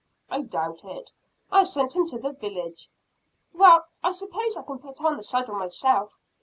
"I doubt it. I sent him to the village." "Well, I suppose I can put on the saddle myself.